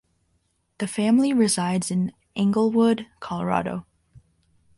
The family resides in Englewood, Colorado.